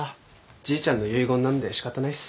じいちゃんの遺言なんで仕方ないっす。